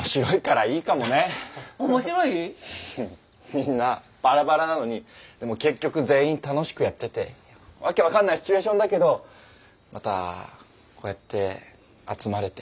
みんなバラバラなのにでも結局全員楽しくやってて訳分かんないシチュエーションだけどまたこうやって集まれて。